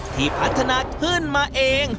ที่พัฒนาขึ้นมาเอง